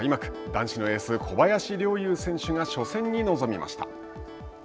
男子のエース、小林陵侑選手が初戦に臨みました。